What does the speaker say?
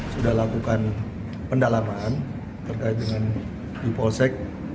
sudah lakukan pendalaman terkait dengan dipolsek